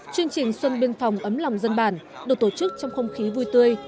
chương trình xuân biên phòng ấm lòng dân bản được tổ chức trong không khí vui tươi